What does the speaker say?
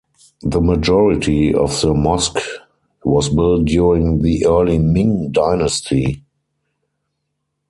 The majority of the mosque was built during the early Ming dynasty.